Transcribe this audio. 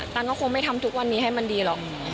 ตันก็คงไม่ทำทุกวันนี้ให้มันดีหรอก